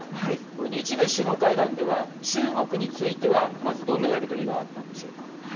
これ日米首脳会談では中国についてはまず、どんなやりとりがあったんでしょうか。